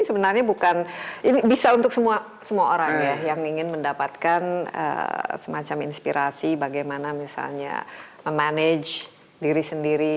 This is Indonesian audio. sebenarnya bukan ini bisa untuk semua orang ya yang ingin mendapatkan semacam inspirasi bagaimana misalnya memanage diri sendiri